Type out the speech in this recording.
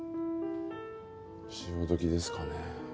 潮時ですかね。